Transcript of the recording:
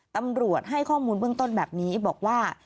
ตำรวจให้ข้อมูลเบื้องต้นแบบนี้บอกว่า